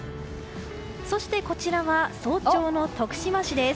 そして、こちらは早朝の徳島市です。